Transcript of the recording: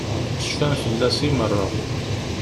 Cfan fell-as i meṛṛa.